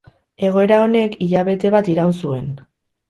Egoera honek hilabete bat iraun zuen.